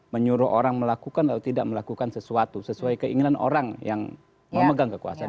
menyuruh orang melakukan atau tidak melakukan sesuatu sesuai keinginan orang yang memegang kekuasaan